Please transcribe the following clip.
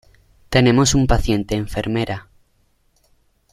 Tenemos un paciente, enfermera.